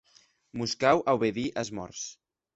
Mos cau aubedir as mòrts.